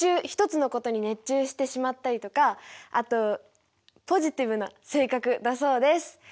一つのことに熱中してしまったりとかあとポジティブな性格だそうです。